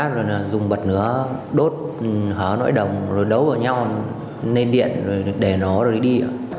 rồi dùng vật nữa đốt hóa nỗi đồng rồi đấu vào nhau lên điện để nó đi